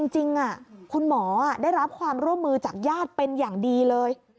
จริงคุณหมอได้รับความร่วมมือจากญาติเป็นอย่างดีเลย